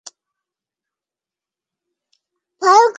আবার মেজেয় এসে পড়ি, তবে বাঁচি।